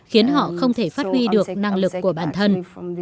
khiến họ không thể phát huy được năng lực của bản thân